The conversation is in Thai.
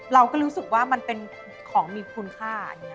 เราก็รู้สึกว่ามันเป็นของมีคุณค่า